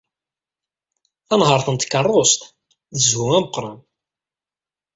Tanhaṛt n tkeṛṛust d zzhu ameqran.